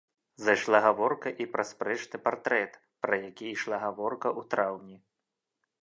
Зайшла гаворка і пра спрэчны партрэт, пра які ішла гаворка ў траўні.